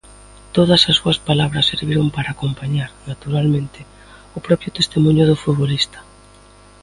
Todas as súas palabras serviron para acompañar, naturalmente, o propio testemuño do futbolista.